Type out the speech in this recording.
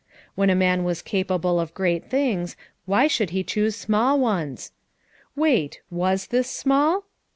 "When a man was capable of great things why should he choose small ones? Wait, was this small?